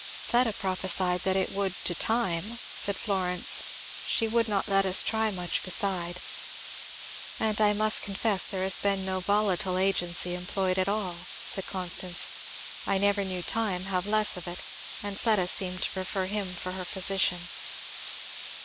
"Fleda prophesied that it would to time," said Florence; "she Would not let us try much beside." "And I must confess there has been no volatile agency employed at all," said Constance; "I never knew time have less of it; and Fleda seemed to prefer him for her physician."